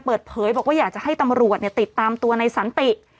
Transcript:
เปิดเผยบอกว่าอยากจะให้ตำรวจติดตามตัวในสันติ